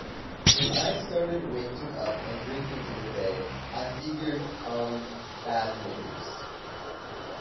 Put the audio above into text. When I started waking up and drinking in the day, I figured-umm, bad news.